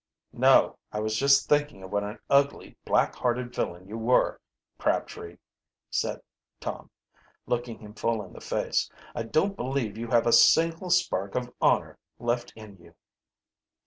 "No, I was just thinking of what an ugly, black hearted villain you were, Crabtree," aid Tom, looking him full in the face. "I don't believe you have a single spark of honor left in you."